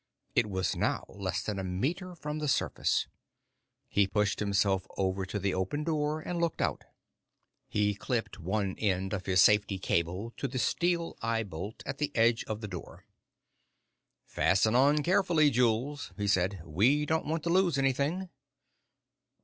It was now less than a meter from the surface. He pushed himself over to the open door and looked out. He clipped one end of his safety cable to the steel eye bolt at the edge of the door. "Fasten on carefully, Jules," he said. "We don't want to lose anything."